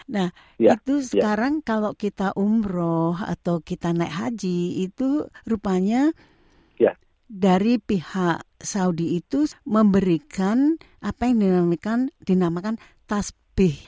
nah itu sekarang kalau kita umroh atau kita naik haji itu rupanya dari pihak saudi itu memberikan apa yang dinamakan tasbih